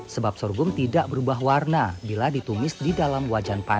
sebab sorghum tidak berubah warna bila ditumis di dalam wajan padi